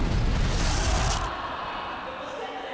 最後惜しかったね。